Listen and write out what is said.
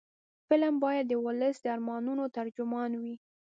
فلم باید د ولس د ارمانونو ترجمان وي